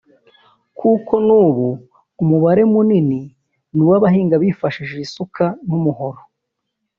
kuko n’ubu umubare munini ni uw’abagihinga bifashishije isuka n’umuhoro